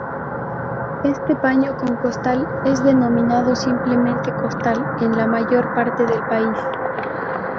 Este paño con costal es denominado simplemente "costal" en la mayor parte del país.